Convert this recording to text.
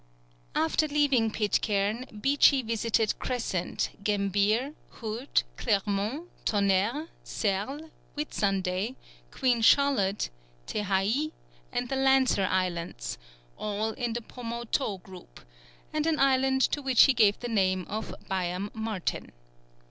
"] After leaving Pitcairn, Beechey visited Crescent, Gambier, Hood, Clermont, Tonnerre, Serles, Whitsunday, Queen Charlotte, Tehaï, and the Lancer Islands, all in the Pomautou group, and an islet to which he gave the name of Byam Martin.